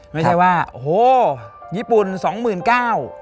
ไม่ใช่ว่าโอ้โหญี่ปุ่นสองหมื่นเก้า